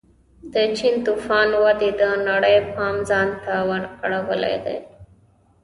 د چین توفا ودې د نړۍ پام ځان ته ور اړولی دی.